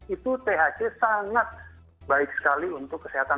itu thc sangat baik sekali untuk kesehatan